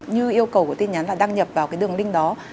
như yêu cầu của tin nhắn là đăng nhập vào cái đường link đó